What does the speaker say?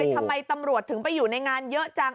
ทำไมตำรวจถึงไปอยู่ในงานเยอะจัง